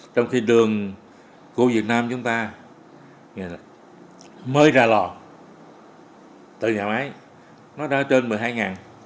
trong khi đường của việt nam chúng ta mới ra lò từ nhà máy nó đã trên một mươi hai